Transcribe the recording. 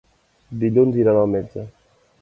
Dilluns iran al metge.